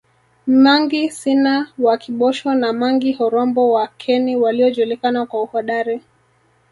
Mangi Sina wa Kibosho na Mangi Horombo wa Keni waliojulikana kwa uhodari